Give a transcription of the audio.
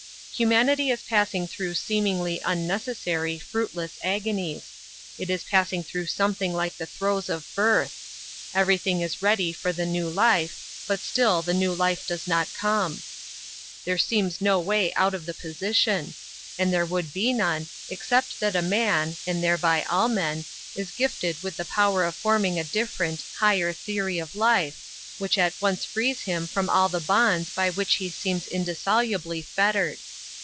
Humanity is passing through seemingly unnecessary, fruitless agonies. It is passing through something like the throes of birth. Everything is ready for the new life, but still the new life does not come. There seems no way out of the position. And there would be none, except that a man (and thereby all men) is gifted with the power of forming a different, higher theory of life, which at once frees him from all the bonds by which he seems indissolubly fettered.